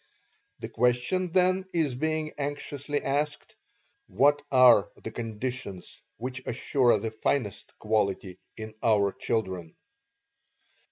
The question then is being anxiously asked: "What are the conditions which assure the finest quality in our children?"